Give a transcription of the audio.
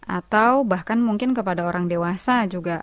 atau bahkan mungkin kepada orang dewasa juga